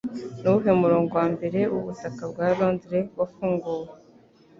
Nuwuhe murongo wa mbere wubutaka bwa Londres wafunguwe